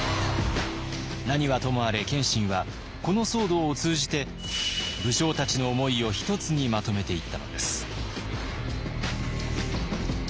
何はともあれ謙信はこの騒動を通じて武将たちの思いを一つにまとめていったのです。